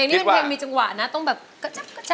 เพลงนี้เป็นเพลงมีจังหวะนะต้องแบบกระจับ